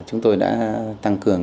chúng tôi đã tăng cường